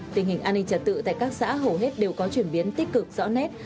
tình hình an ninh trật tự tại các xã hầu hết đều có chuyển biến tích cực rõ nét